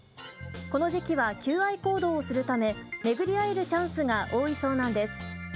この時期は求愛行動をするため巡り会えるチャンスが多いそうなんです。